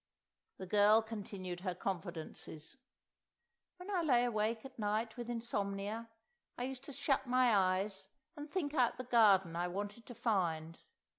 The girl continued her confidences: "When I lay awake at nights with insomnia, I used to shut my eyes and think out the garden I wanted to find.